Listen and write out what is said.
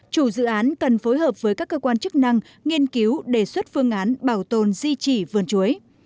chủ dự án cần phối hợp với các cơ quan chức năng nghiên cứu đề xuất phương án bảo tồn di trị vườn chuối